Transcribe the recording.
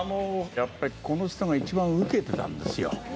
やっぱりこの人が一番ウケてたんですよ。